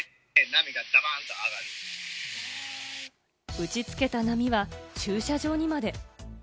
打ちつけた波は駐車場にまで。